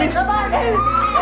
jangan min jangan